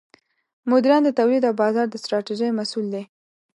مدیران د تولید او بازار د ستراتیژۍ مسوول دي.